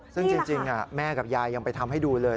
ซึ่งจริงแม่กับยายยังไปทำให้ดูเลย